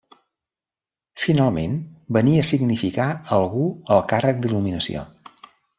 Finalment venia a significar algú al càrrec d'il·luminació.